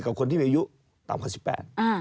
กับคนที่อายุต่ำกว่า๑๘